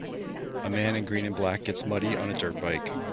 A man in green and black gets muddy on a dirt bike.